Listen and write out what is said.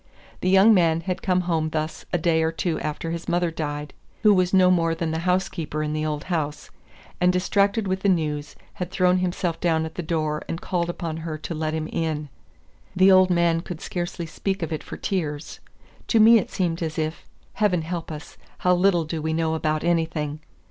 The young man had come home thus a day or two after his mother died, who was no more than the housekeeper in the old house, and distracted with the news, had thrown himself down at the door and called upon her to let him in. The old man could scarcely speak of it for tears. To me it seemed as if Heaven help us, how little do we know about anything!